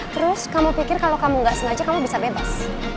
terus kamu pikir kalau kamu gak sengaja kamu bisa bebas